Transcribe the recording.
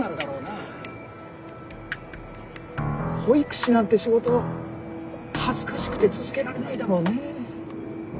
保育士なんて仕事恥ずかしくて続けられないだろうねえ。